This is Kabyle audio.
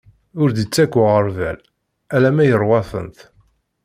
Ur d-ittak uɣerbal, alamma iṛwa-tent.